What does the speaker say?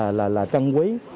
đều rất là trân quý